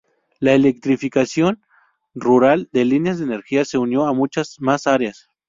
La electrificación rural de líneas de energía se unió a muchas más áreas.